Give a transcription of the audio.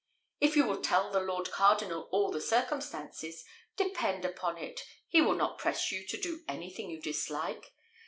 "If you will tell the lord cardinal all the circumstances, depend upon it he will not press you to do anything you dislike.